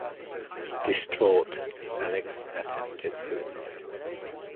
Distraught, Alix attempted suicide.